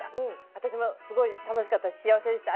私もすごい楽しかったし幸せでした。